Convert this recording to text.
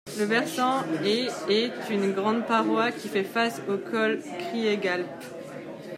Le versant est est une grande paroi qui fait face au col Kriegalp.